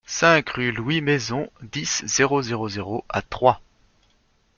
cinq rue Louis Maison, dix, zéro zéro zéro à Troyes